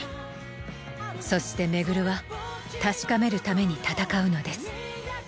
そして廻は確かめるために戦うのです